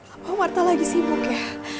apa warta lagi sibuk ya